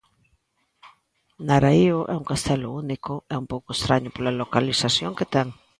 Naraío é un castelo único e un pouco estraño pola localización que ten.